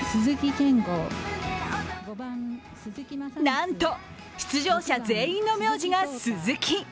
なんと、出場者全員の名字が鈴木。